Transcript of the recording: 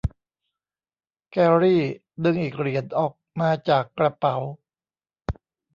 แกรี่ ดึงอีกเหรียญออกมาจากกระเป๋า